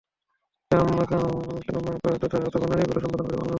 তাঁকে আম্মা, খালাম্মা, আপা অথবা নানি বলে সম্বোধন করে বাংলার মানুষ।